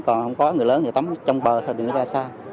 còn không có người lớn thì tắm trong bờ thôi thì nó ra xa